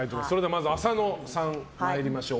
まずは浅野さん参りましょう。